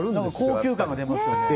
高級感が出ますよね。